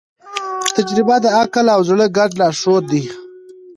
تجربه د عقل او زړه ګډ لارښود دی.